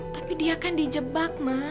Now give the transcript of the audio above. tapi dia kan di jebak ma